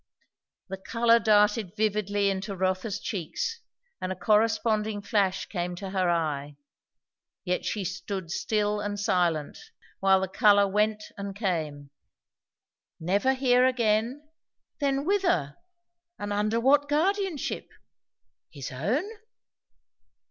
The colour darted vividly into Rotha's cheeks, and a corresponding flash came to her eye. Yet she stood still and silent, while the colour went and came. Never here again? Then whither? and under what guardianship? His own?